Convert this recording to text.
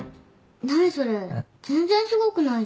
何それ全然すごくないじゃん。